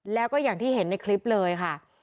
แล้วก็อย่างที่เห็นในคลิปเลยค่ะ